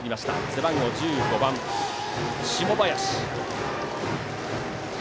背番号１５番、下林。